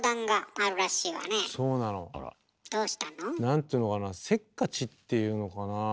何ていうのかなせっかちっていうのかなあ。